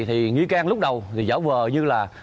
thì nghi can lúc đầu thì giả vờ như là